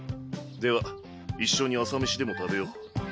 では一緒に朝飯でも食べよう。